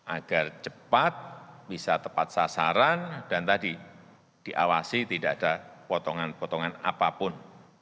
agar cepat bisa tepat sasaran dan tadi diawasi tidak ada potongan potongan apapun